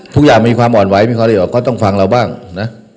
ทุกอย่างมีความอ่อนไหวมีความอ่อนไหวก็ต้องฟังเราบ้างนะ